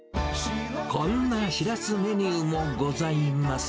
こんなシラスメニューもございます。